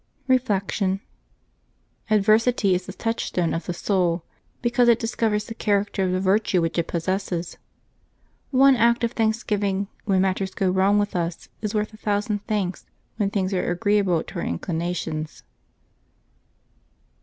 Reflection. — Adversity is the touchstone of the soul, be cause it discovers the character of the virtue which it possesses. One act of thanksgiving when matters go wrong with us is worth a thousand thanks when things are agreeable to our inclinations.